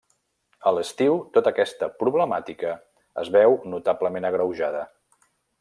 A l'estiu tota aquesta problemàtica es veu notablement agreujada.